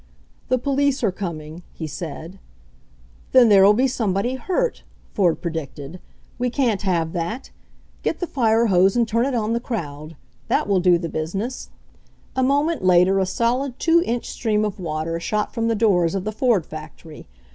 The police are coming," he said. Then there'll be somebody hurt," Ford pre dicted. "We can't have that. Get the fire hose and turn it on the crowd. That will do the busi it' ness." A moment later a solid two inch stream of water shot from the doors of the Ford factory.